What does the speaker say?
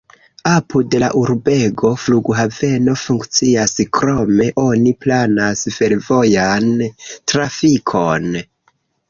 Apud la urbego flughaveno funkcias, krome oni planas fervojan trafikon.